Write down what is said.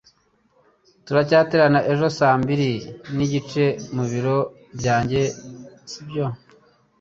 Turacyaterana ejo saa mbiri nigice mu biro byanjye, sibyo?